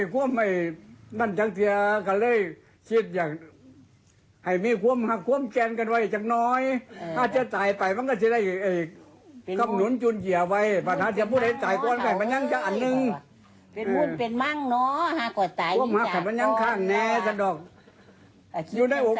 คุณตาคุณยายอยู่ในใจ